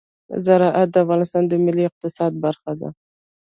زراعت د افغانستان د ملي اقتصاد برخه ده.